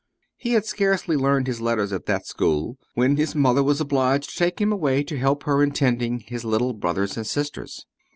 He had scarcely learned his letters at that school when his mother was obliged to take him away to help her in tending his little brothers and sisters.